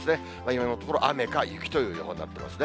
今のところ、雨か雪という予報になっていますね。